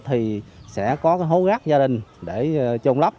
thì sẽ có hố gác gia đình để trôn lấp